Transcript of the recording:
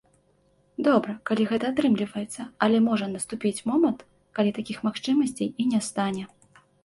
Добра, калі гэта атрымліваецца, але можа наступіць момант, калі такіх магчымасцей і не стане.